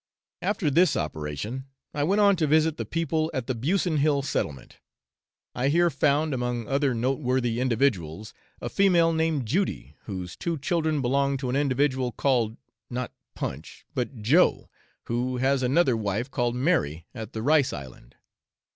After this operation, I went on to visit the people at the Busson Hill settlement. I here found, among other noteworthy individuals, a female named Judy, whose two children belong to an individual called (not Punch) but Joe, who has another wife, called Mary, at the Rice Island.